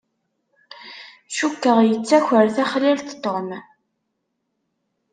Cukkeɣ yettaker taxlalt Tom.